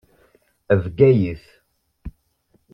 Bgayet.